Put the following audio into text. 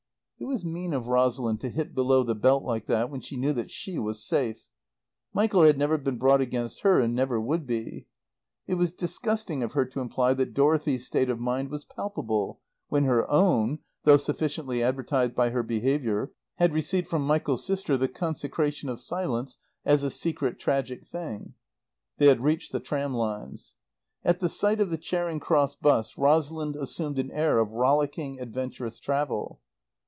It was mean of Rosalind to hit below the belt like that, when she knew that she was safe. Michael had never been brought against her and never would be. It was disgusting of her to imply that Dorothy's state of mind was palpable, when her own (though sufficiently advertised by her behaviour) had received from Michael's sister the consecration of silence as a secret, tragic thing. They had reached the tram lines. At the sight of the Charing Cross `bus Rosalind assumed an air of rollicking, adventurous travel.